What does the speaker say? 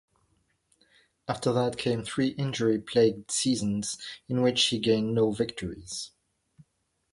After that came three injury plagued seasons in which he gained no victories.